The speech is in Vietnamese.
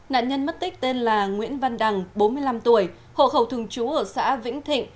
nạn nhân mất tích tên là nguyễn văn đằng bốn mươi năm tuổi hộ khẩu thường trú ở xã vĩnh thịnh